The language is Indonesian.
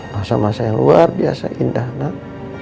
masa masa yang luar biasa indah nak